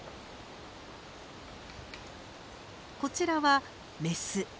こちらはメス。